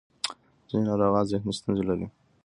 ځینې ناروغان ذهني ستونزې لري.